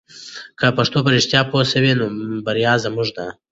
که موږ په رښتیا پوه سو نو بریا زموږ ده.